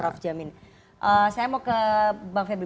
saya mau ke bang febri